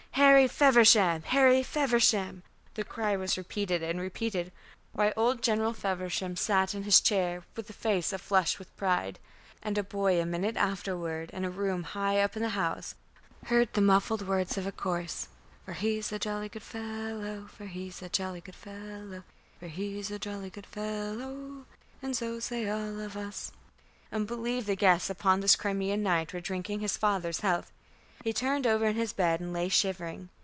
"Harry Feversham, Harry Feversham," the cry was repeated and repeated, while old General Feversham sat in his chair with a face aflush with pride. And a boy a minute afterward in a room high up in the house heard the muffled words of a chorus For he's a jolly good fellow, For he's a jolly good fellow, For he's a jolly good fellow, And so say all of us, and believed the guests upon this Crimean night were drinking his father's health. He turned over in his bed and lay shivering.